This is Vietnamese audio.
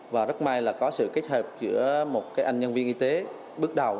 và rất may là có sự kết hợp giữa một cái anh nhân viên y tế bước đầu